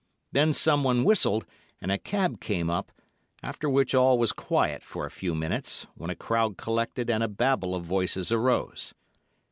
Then someone whistled, and a cab came up, after which all was quiet for a few minutes, when a crowd collected and a babel of voices arose.